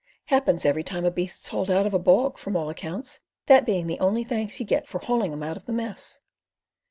"Happens every time a beast's hauled out of a bog, from all accounts, that being the only thanks you get for hauling 'em out of the mess."